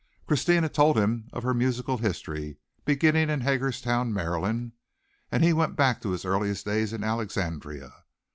Christina told him of her musical history, beginning at Hagerstown, Maryland, and he went back to his earliest days in Alexandria.